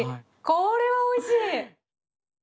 これはおいしい！